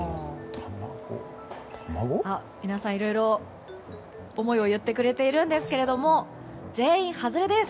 皆さん、いろいろ思いを言ってくれているんですが全員、外れです！